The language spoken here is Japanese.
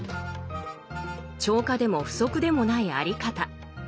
超過でも不足でもないあり方。